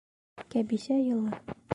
Кәбисә йылы